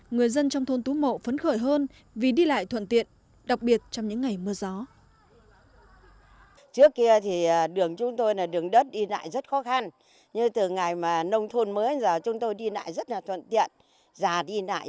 người dân trong thôn tú mậu phấn khởi hơn vì đi lại thuận tiện đặc biệt trong những ngày mưa gió